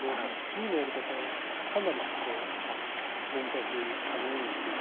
僕のやり方はかなりそこを現代風に簡単にしています。